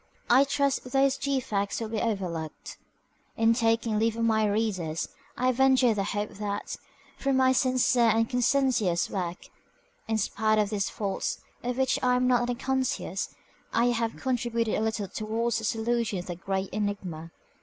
I trust those defects will be overlooked. In taking leave of my readers, I venture the hope that, through my sincere and conscientious work in spite of its faults, of which I am not unconscious ix AUTHOR'S PREFACE I have contributed a little towards the solution of the great enigma.